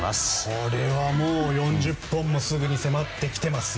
これはもう４０本もすぐに迫ってきていますよ。